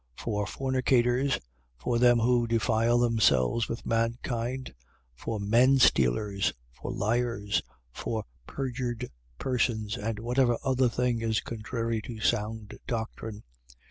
For fornicators, for them who defile themselves with mankind, for menstealers, for liars, for perjured persons, and whatever other thing is contrary to sound doctrine: 1:11.